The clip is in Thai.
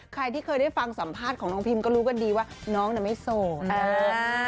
ใครที่เคยได้ฟังสัมภาษณ์ของน้องพิมก็รู้กันดีว่าน้องน่ะไม่โสด